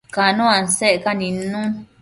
Cano asecca nidnun